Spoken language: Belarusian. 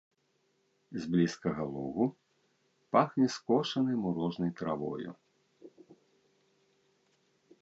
З блізкага лугу пахне скошанай мурожнай травою.